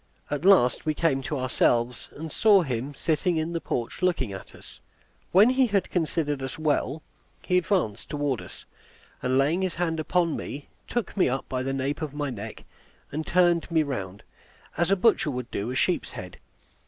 At last we came to ourselves, and saw him sitting in the porch looking at us. When he had considered us well, he advanced toward us, and laying his hand upon me, took me up by the nape of my neck, and turned me round, as a butcher would do a sheep's head.